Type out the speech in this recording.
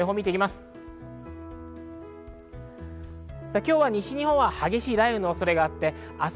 今日は西日本は激しい雷雨の恐れがあります。